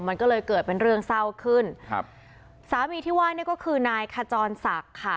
มันก็เลยเกิดเป็นเรื่องเศร้าขึ้นครับสามีที่ว่านี่ก็คือนายขจรศักดิ์ค่ะ